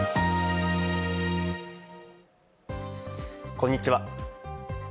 こんにちは。